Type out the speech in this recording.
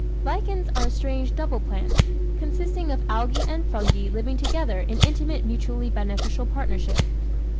Lichens are strange double plants, consisting of Alga? and Fungi living together in intimate mutually beneficial partnership.